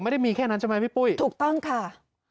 ไม่ได้มีแค่นั้นใช่ไหมพี่ปุ้ยถูกต้องค่ะ